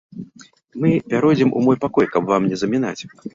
Мы пяройдзем у мой пакой, каб вам не замінаць.